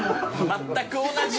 全く同じ？